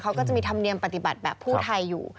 เขาก็จะมีธรรมเนียมปฏิบัติแบบผู้ไทยอยู่